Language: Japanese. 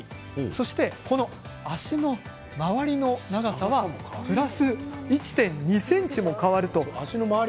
そして足のまわりの長さもプラス１．２ｃｍも変わると。